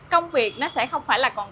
công việc nó sẽ không phải là